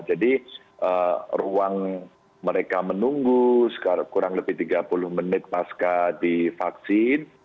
jadi ruang mereka menunggu sekitar kurang lebih tiga puluh menit pasca di vaksin